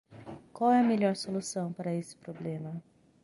Qual é a melhor solução para esse problema?